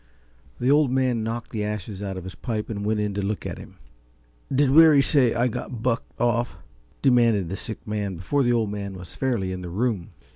The Old Map knocked the ashes out of his pipe and went in to look at him. "Did Weary say I got bucked off?" demanded the sick man before the Old Man was fairly in the room.